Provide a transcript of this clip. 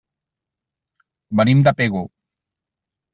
Venim de Pego.